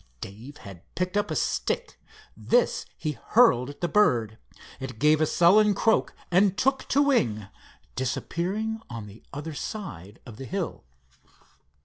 Dave had picked up a stick. This he hurled at the bird. It gave a sullen croak and took to wing, disappearing on the other side of the hill.